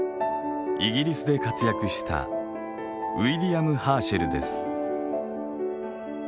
イギリスで活躍したウィリアム・ハーシェルです。